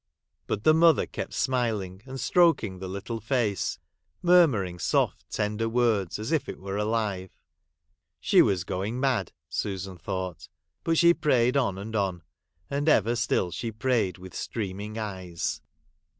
But the mother kept smiling, and stroking the little face, murmuring soft tender words, as if it were alive ; she was going mad, Susan thought ; but she prayed on, and on, and ever still she prayed with streaming eyes.